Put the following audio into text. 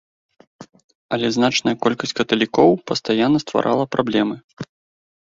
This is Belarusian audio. Але значная колькасць каталікоў пастаянна стварала праблемы.